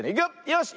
よし。